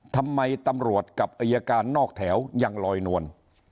ทำไมตำรวจกับอายการนอกแถวยังลอยนวล